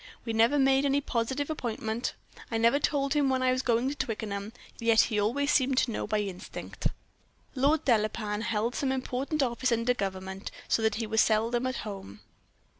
We never made any positive appointment. I never told him when I was going to Twickenham, yet he always seemed to know by instinct. Lord Delapain held some important office under the government, so that he was seldom at home.